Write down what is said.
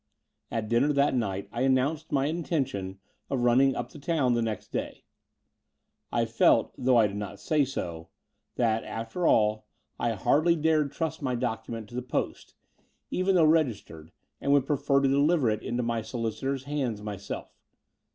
At dinner that night I annotmced my intention of rtuming up to town the next day. I felt, though I did not say so, that, after all, I hardly Between London and Clymping 137 dared trust my docmnent to the post, even though registered, and would prefer to deliver it into my solicitor's hands myself.